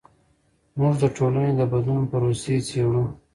موږ د ټولنې د بدلون پروسې څیړو.